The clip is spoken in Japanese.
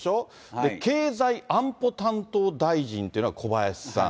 で、経済安保担当大臣というのは小林さん。